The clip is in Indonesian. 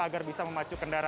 agar bisa memacu ke dalam lap